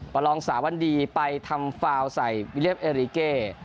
ประลองสาวันดีไปทำฟาวใส่วิเลียบเอริเก